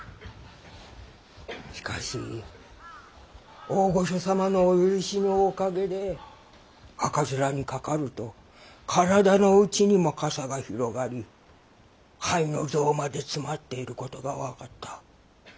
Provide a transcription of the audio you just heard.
しかし大御所様のお許しのおかげで赤面にかかると体の内にも瘡が広がり肺の臓まで詰まっていることが分かった。